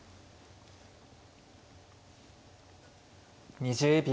２０秒。